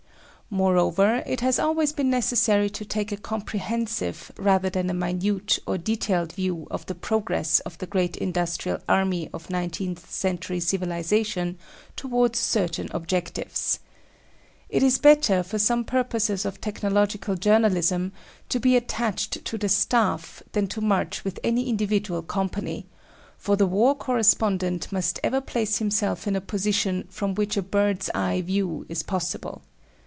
Moreover, it has always been necessary to take a comprehensive, rather than a minute or detailed, view of the progress of the great industrial army of nineteenth century civilisation towards certain objectives. It is better, for some purposes of technological journalism, to be attached to the staff than to march with any individual company for the war correspondent must ever place himself in a position from which a bird's eye view is possible.